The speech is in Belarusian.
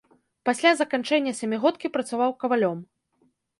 Пасля заканчэння сямігодкі працаваў кавалём.